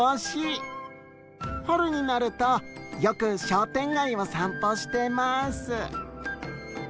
春になるとよく商店街を散歩してます。